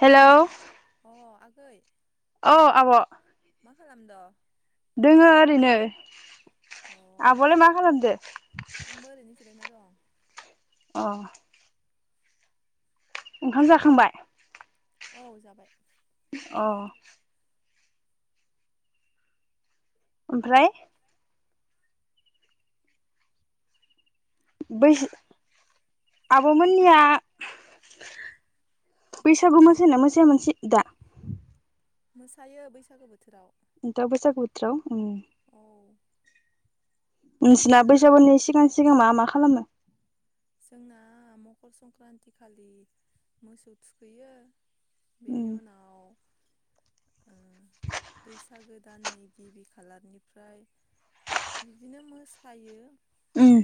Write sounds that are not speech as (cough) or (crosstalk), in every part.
हेल'। अ आगै। औ आब'। मा खालामद'? दोङो ओरैनो अ आब'लाय मा खालामदो? आंबो ओरैनो जिरायना दं अ। ओंखाम जाखांबाय? औ जाबाय। अ। ओमफ्राय बैस आब'मोननिया बैसागु मोसायो ना मोसाया मोन सि दा? मोसायो बैसागो बोथोराव। दा बैसागु बोथोराव ओम औ नोंसोरना बैसागुनि सिगां सिगां मा मा खालामो? जोंना मकर संक्रान्ति खालि मोसौ थुखैयो उम बेनि उनाव ओम बैसागो दाननि गिबि खालारनिफ्राय बिदिनो मोसायो उम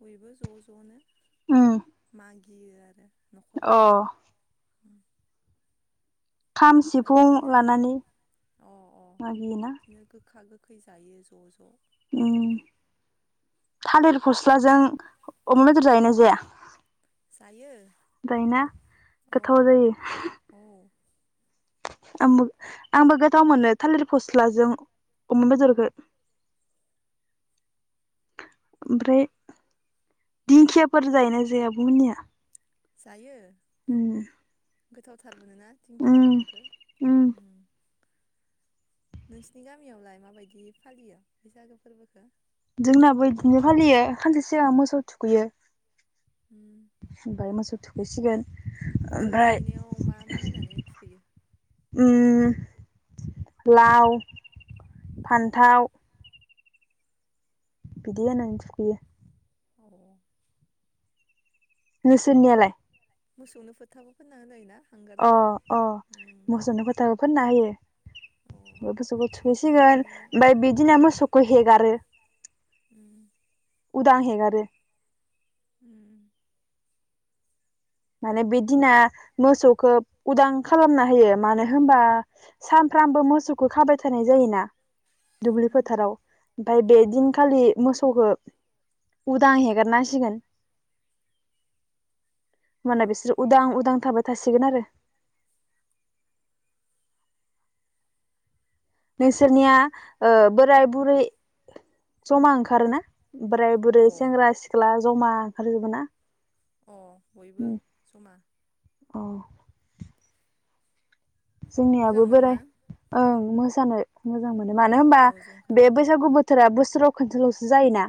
बयबो ज' ज'नो उम मागियो आरो न'खर अ न'खर खाम ओमफ्राय सिफुं बिदिनो लानानै अ अ मागियोना बिदिनो गोखा गोखा खै जायो ज' ज' उम थालिर फस्लाजों अमा बेदर जायोना जाया? जायो जायोना औ गोथाव जायो औ आंबो आंबो गोथाव मोनो थालिर फस्लाजों अमा बेदरखो। ओमफ्राय दिंखियाफोर जायोना जाया आब'मोननिया? जायो। होम गोथावथार। गोथावमोनोना दिंखिया मैगंखो? उम नोंसिनि गामियावलाय माबायदि फालियो बैसागो फोरबोखौ? जोंनाबो इदिनो फालियो सानसे सिगां मोसौ थुखैयो। ओमफाय मोसौ थुखैसिगोन मोसौ ओमफ्राय थुखैनायाव मा मा होनानै थुखैयो? उम लाव, फान्थाव बिदि होनानै थुखैयो। आरो नोंसोरनियालाय? मोसौनो फोथाबो फोनना होनाय ना? अ अ मोसौनो फोथाबो फोनना होयो बे ओमफ्राय मोसौखौ थुहैसिगोन थुखैखांनानै अ ओमफ्राय बिदिना मोसौखौ हेगारो। उम उदां हेगारो। ओम माने बि दिना मोसौखो उदां खालामना होयो मानो होनबा सानफ्रामबो मोसौखौ खाबाय थानाय जायोना। दुब्लि उम फोथाराव ओमफ्राय बे दिनखालि मोसौखो उदां हेगारनांसिगोन। होनबाना बेसोरो उदां उदां थाबाय थासिगोन आरो। नोंसोरनिया ओ बोराय बुरै जमा ओंखारोना बोराय बुरै अ सेंग्रा सिख्ला जमा ओंखारजोबो ना? अ बयबो जमा। अ मोजां जोंनियाबो मोनोना बोराय ओं मो सानो मोजां मोनो मानो उम होनबा ज' ज' बे ओंखारबा बैसागु बो थोरा बोसोराव खोनसेल'सो जायोना।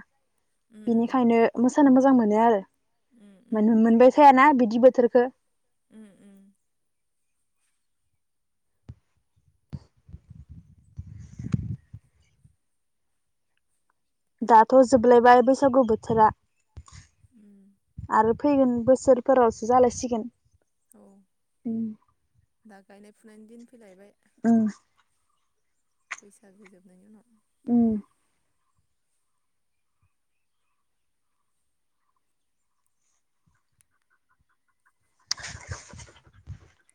उम बिनिखायनो मो सानो मोजां मोनो आरो। उम मोन उम मोनबाय थायाना बि दि बोथोरखो। उम उम दाथ जोबलायबाय बैसागु बोथोरा। उम आरो फैगोन बोसोरफोरावसो जालायसिगोन औ उम दा गायनाय फुनायनि दिन फैलायबाय उम बैसागो जोबनायनि उनाव उम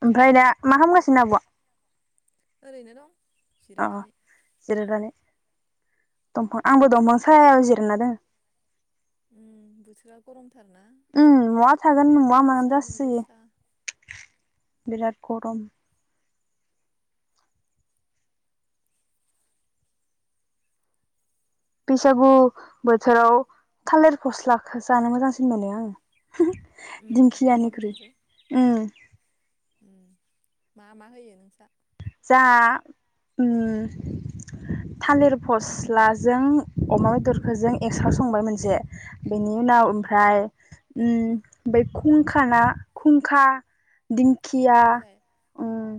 ओमफ्राय दा मा खालामगासिनो आबआ? ओरैनो दं। अ जिरायनानै जिरायनानै। दंफां आंबो दंफां सायायाव जिरायना दों। उम बोथोरा गरमथारना उम महा थागोन महा बिराद मागोन सान्दुं जासोयो गोसा। बिराद गरम बैसागु बोथोराव थालिर फस्लाखौ जानो मोजांसिन मोनो आङो। उम अमा दिंखियानिख्रुइ बेदरजों उम। उम मा मा होयो नोंस्रा? जा ओम थालिर फस्लाजों अमा बेदरखौ जों एक्स्रा संबाय मोनसे बेनि उनाव ओमफ्राय ओम बै खुंखाना खुुंखा दिंखिया फुंखा बिलाइ अ ओं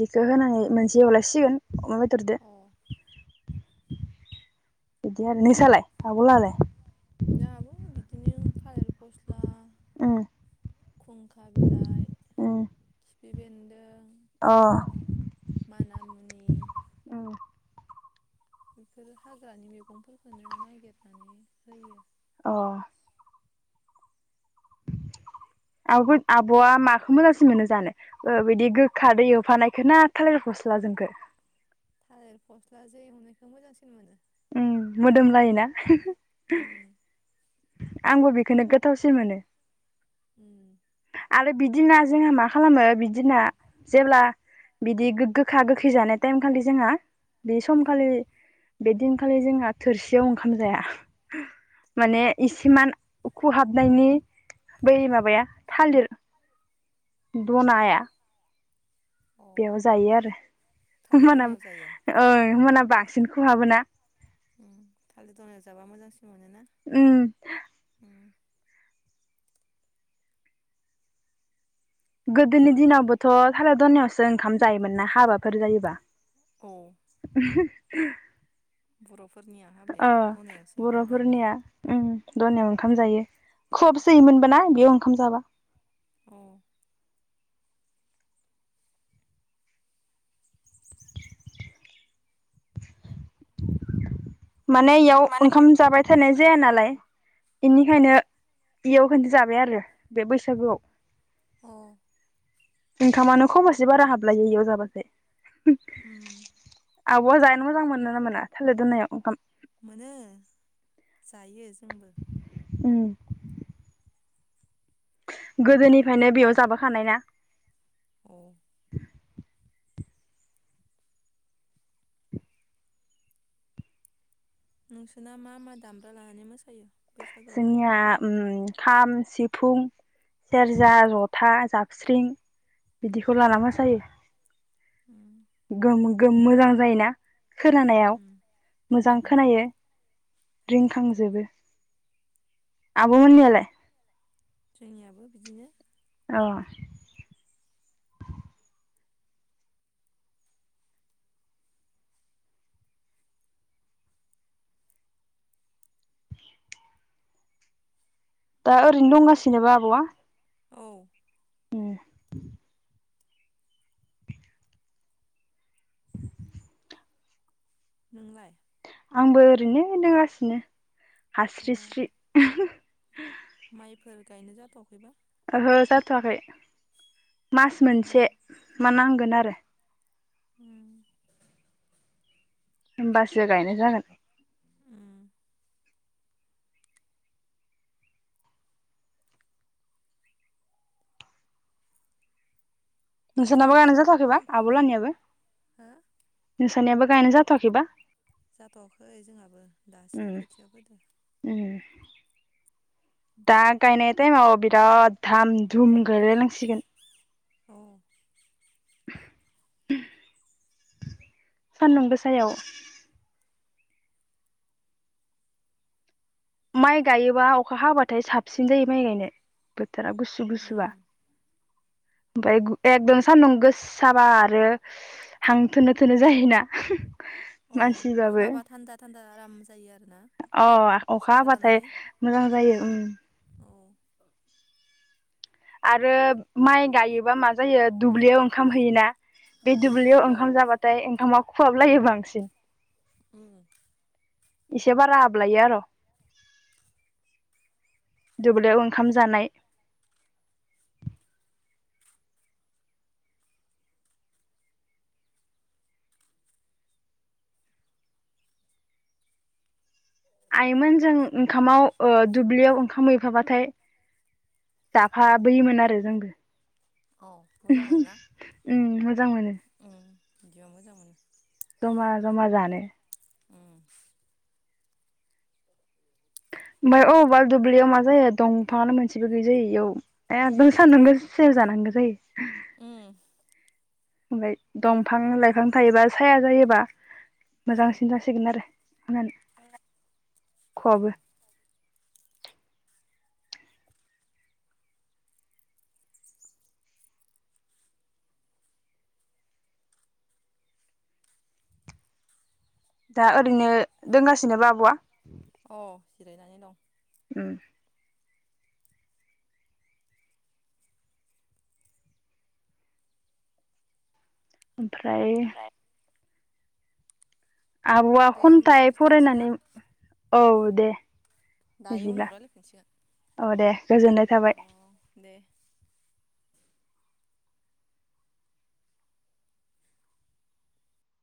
बिखो होनानै मोनसे एवलायसिगोन। अमा बेदर दो। अ बिदि आरो नोंसालाय आबलालाय? जाङाबो बि दिनो थालिर फस्ला उम खुंखा बिलाइ उम खिफि बेन्दों अ माना मुनि उम बेफोर हाग्रानि मैगंफोरखौनो नागिरनानै होयो अ आबोद आबआ माखो मोजांसिन मोनो जानो ओ बिदि गोखादो एवफानायखो ना थालिर फस्ला जोंखो थालिर फस्लाजो एवनायखौ मोजांसिन मोनो उम मोदोमलायोना उम (unintelligible) आंबो बेखौनो गोथावसिन मोनो। उम आरो बिदिना जोंहा मा खालामो बिदिना जेब्ला बिदि गोखा गोखै जानाय टाइम खालि जोंहा बे हो समखालि बेदिनखालि जोंहा थोरसियाव ओंखाम जाया माने इसिमान उखुहाबनायनि बै माबाया थालिर दनाया अ बेयाव जायो आरो थालिर दनायाव जायो मोनाबा ओ मोनाबा बांसिन खहाबोना थालिर दनाय जाबा मोजांसिन मोनो ना उम गोदोनि दिनावबोथ थालिर दनायावसो ओंखाम जायोमोन ना हाबाफोर जायोबा औ (unintelligible) (inaudible) बरफ अ बरफोरनिया उम दनायाव ओंखाम उम जायो खहाब जैमोनबोना बेयाव ओंखाम जाबा औ (inaudible) माने इयाव ओंखाम जाबाय फोसनाय जाया नालाय बेनिखायनो बेयाव खोनसे जाबाय आरो बे बैसागुआव औ ओंखामानो खबसे बारा हाबलायो इयाव जाबाथाय उम आबआ जा मोजां मोनो ना मोना थालिर दनायाव ओंखाम मोनो जायो जोंबो उम गोदोनिफ्रायनो बेयाव जाबोखानाय ना औ नोंसोरना मा मा दामग्रा लानानै मोसायो बैसागुआव जोंनिया उम खाम, सिफुं, सेरजा, जथा, जाबस्रिं बिदिखौ लाना मोसायो‌। उम गोम गोम मोजां जायोना खोनानायाव उम मोजां उम खोनायो। रिंखांजोबो आब' मोननियालाय? जोंनियाबो बिदिनो अ दा ओरैनो दंगासिनोबा आब'आ? औ उम नोंलाय? आंबो ओरैनो दंगासिनो अ हास्रिस्रि माइफोर गायनो जाथावाखैबा? ओहो जाथ'वाखै। मास उम मोनसे मा नांगोन आरो उम होमबासो गायनाय जागोन उम नोंसानाबो बोथोराबो गायनो जा जाथ'वाखैबा गरमखाना आब'लानियाबो हो नोंसनियाबो गायनो जाथ'आखैबा? जाथ'वाखै जोंहाबो दासो उम खोथिया फोदो उम दा गायनाय टाइमाव बिराद धाम दुम गायलायनासिगोन‌। औ सानदुं गोसायाव माइ गायोबा अखा हाबाथाय साबसिन जायो माइ गायनो बोथो रा गुसु गुसु बा। औ ओमफाय एकदम सान्दुं गोसाबा आरो हांथोनो थोनो जायोना‌। औ अखा हाबा थानदा थान दा आराम जायो आरोना अ अखा साथा हाबाथाय लानानै मोजां जायो उम औ आरो माइ गायोबा मा जायो दुब्लियाव ओंखाम हैयोना बे दुब्लियाव औ ओंखाम जाबाथाय ओंखामा खहाबलायो बांसिन उम इसे बारा हाबलायो आर' दुब्लियाव ओंखाम जानाय आइोमोन जों ओंखामाव ओ दुब्लियाव ओंखाम हैैफाबाथाय जाफाबोयोमोन आरो जोंबो। औ मोजां मोनोना उम मोजां मोनो। इदियाव मोजां मोनो जमा जमा जानो उम ओमफफ्राय अबावबा दुब्लियाव मा जायो दंफाङानो मोनसेबो गैयज जायो इयाव एकदम साननांगौ सेल जानांगौ जायो उम ओमफ्राय दंफां लाइफां थायोबा साया जायोबा मोजांसिन जासिगोन आरो (unintelligible) अ खवाबो दा ओरैनो दोंगासिनो बा आब'आ अ जिरायनानै दं। उम ओमफ्राय आबआ दे होमबा खन्थाइ लाखिथ'नोसै ना फरायनानै औ दे दायो बिदिब्ला उनाव रायलायफिनसिगोन औ दे गोजोननाय थाबाय अ दे